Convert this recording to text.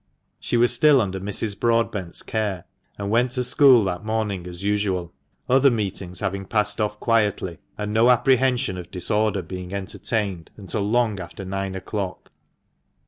She was still under Mrs. Broadbent's care, and went to school that morning as usual, other meetings having passed off quietly, and no apprehension of disorder being entertained until long after nine oclock.